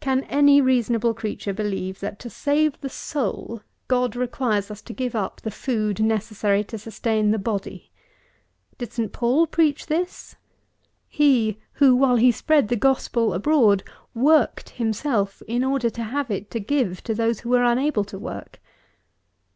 Can any reasonable creature believe, that, to save the soul, God requires us to give up the food necessary to sustain the body? Did Saint Paul preach this? He, who, while he spread the gospel abroad, worked himself, in order to have it to give to those who were unable to work?